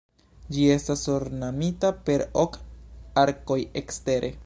Ĝi estas ornamita per ok arkoj ekstere.